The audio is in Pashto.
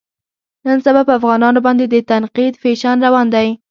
نن سبا په افغانانو باندې د تنقید فیشن روان دی.